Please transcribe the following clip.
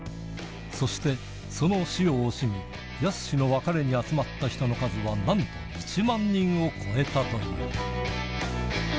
そして、その死を惜しみ、やすしの別れに集まった人の数は、なんと１万人を超えたという。